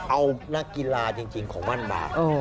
เอานักกีฬาจริงของมันมา